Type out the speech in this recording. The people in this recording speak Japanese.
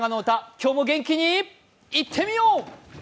今日も元気にいってみよう！